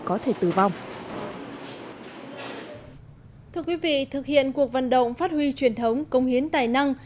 có thể tử vong thưa quý vị thực hiện cuộc vận động phát huy truyền thống công hiến tài năng